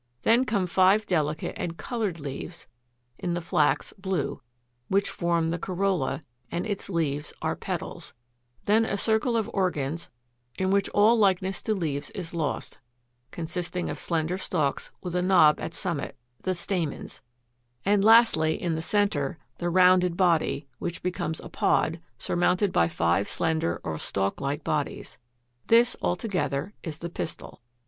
Then come five delicate and colored leaves (in the Flax, blue), which form the COROLLA, and its leaves are PETALS; then a circle of organs, in which all likeness to leaves is lost, consisting of slender stalks with a knob at summit, the STAMENS; and lastly, in the centre, the rounded body, which becomes a pod, surmounted by five slender or stalk like bodies. This, all together, is the PISTIL.